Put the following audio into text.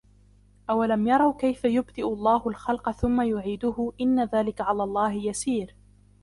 أَوَلَمْ يَرَوْا كَيْفَ يُبْدِئُ اللَّهُ الْخَلْقَ ثُمَّ يُعِيدُهُ إِنَّ ذَلِكَ عَلَى اللَّهِ يَسِيرٌ